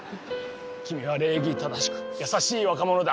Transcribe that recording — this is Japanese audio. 君は礼儀正しく優しい若者だ。